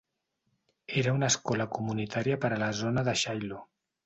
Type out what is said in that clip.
Era una escola comunitària per a la zona de Shiloh.